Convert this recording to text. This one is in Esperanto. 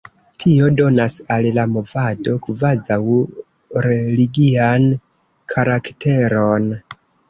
Tio donas al la movado kvazaŭ religian karakteron.